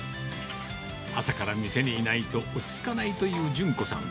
朝から店にいないと落ち着かないという順子さん。